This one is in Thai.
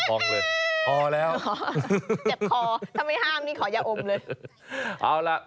ถ้าไม่ห้ามนี่ขอย้าอมเลย